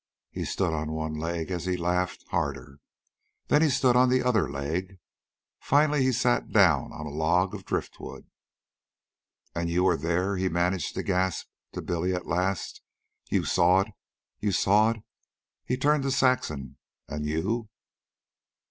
He stood on one leg as he laughed harder, then stood on the other leg. Finally he sat down on a log of driftwood. "And you were there," he managed to gasp to Billy at last. "You saw it. You saw it." He turned to Saxon. " And you?"